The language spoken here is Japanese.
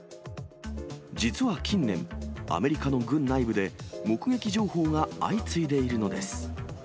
実は近年、アメリカの軍内部で、目撃情報が相次いでいるのです。